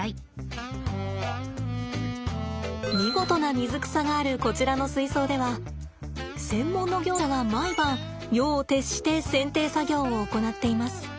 見事な水草があるこちらの水槽では専門の業者が毎晩夜を徹して剪定作業を行っています。